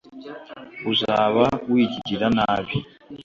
uzaba wigirira nabi